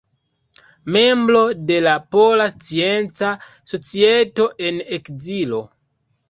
Membro de Pola Scienca Societo en Ekzilo.